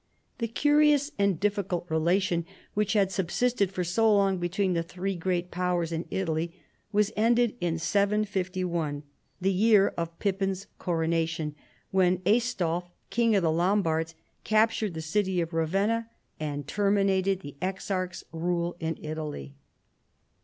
The curious and difficult rela'tion which had sub sisted for so long between the three great powers in Italy was ended in 751, the year of Pippin's cor onation, when Aistulf, King of the Lombards, cap tured the city of Eavenna and terminated the ex arch's rule in Italy.